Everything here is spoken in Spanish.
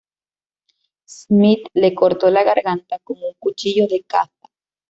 Smith le cortó la garganta con un cuchillo de caza.